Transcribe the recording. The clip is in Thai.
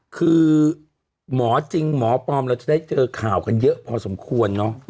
คือหมอจริงหมอปลอมเราจะได้เจอข่าวกันเยอะพอสมควรเนอะ